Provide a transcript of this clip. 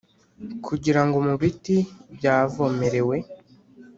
Kugira ngo mu biti byavomerewe